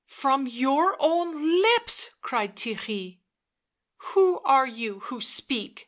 ..."" From your own lips !" cried Theirry. " Who are you who speak